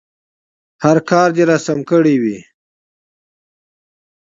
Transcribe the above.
هر کار دې راسم کړی وي.